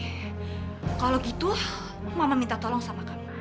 kalau gitu mama minta tolong sama kamu